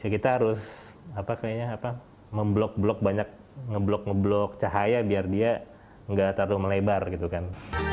kita harus apa kayaknya apa memblok blok banyak ngeblok ngeblok cahaya biar dia enggak terlalu melebar gitu kan